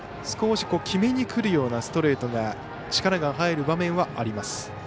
少し決めにくるようなストレートが力が入る場面はあります。